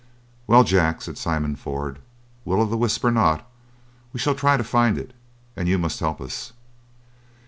"Well, Jack," said Simon Ford, "Will o' the Wisp or not, we shall try to find it, and you must help us."